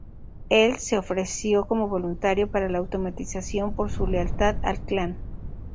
Él se ofreció como voluntario para la automatización por su lealtad al Clan.